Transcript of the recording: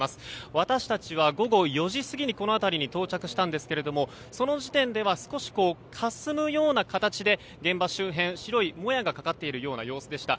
私たちは午後４時過ぎにこの辺りに到着したんですがその時点では少しかすむような形で現場周辺、白いもやがかかっているような様子でした。